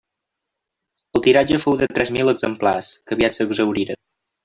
El tiratge fou de tres mil exemplars, que aviat s'exhauriren.